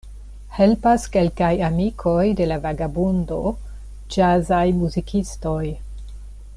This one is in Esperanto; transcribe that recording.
Helpas kelkaj amikoj de la vagabondo, ĵazaj muzikistoj.